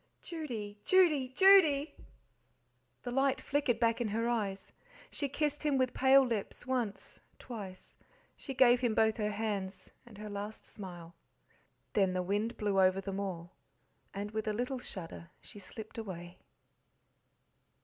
"Judy, Judy, JUDY!" The light flickered back in her eyes. She kissed him with pale lips once, twice; she gave him both her hands, and her last smile. Then the wind blew over them all, and, with a little shudder, she slipped away.